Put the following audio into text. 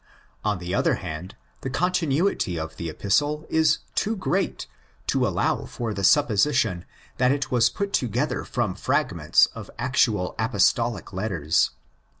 On the other hand, the continuity of the Epistle is too great to allow of the supposition that it was put together from fragments of actual apostolic letters.?